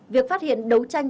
việc phát hiện đấu tranh